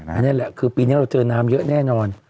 อันนี้แหละคือปีนี้เราเจอน้ำเยอะแน่นอน